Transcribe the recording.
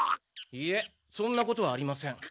いえそんなことはありません。